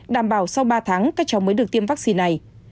đảm bảo sau ba tháng các cháu mới được tiêm vaccine này